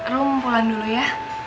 rum pulang dulu ya